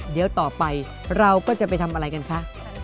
เดี๋ยวต่อไปเราก็จะไปทำอะไรกันคะ